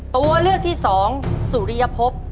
ตัวเลือกที่สองสุริยภพ